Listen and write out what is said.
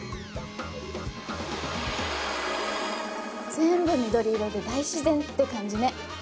全部緑色で大自然って感じね。